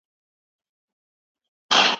انا په سړه او تیاره خونه کې نفلونه کوي.